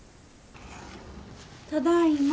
ただいま。